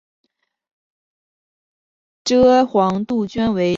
蔗黄杜鹃为杜鹃花科杜鹃属下的一个种。